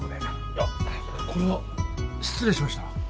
いやこれは失礼しました。